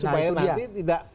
nah itu dia